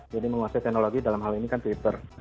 jadi menguasai teknologi dalam hal ini kan twitter